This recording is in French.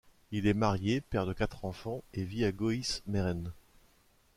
Il est marié, père de quatre enfants et vit à Gooise Meren.